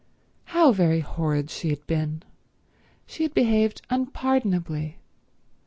How very horrid she had been. She had behaved unpardonably.